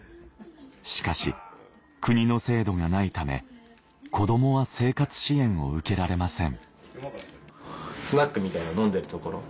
しかし国の制度がないため子供は生活支援を受けられません